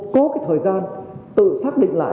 có cái thời gian tự xác định